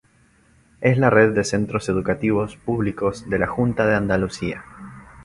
Es la red de centros educativos públicos de la Junta de Andalucía.